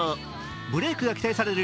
ブレークが期待される